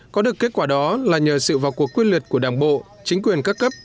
có được kết quả đó là nhờ sự vào cuộc quyết liệt của đảng bộ chính quyền các cấp